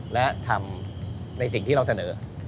และทำในสิ่งที่เราเสนอ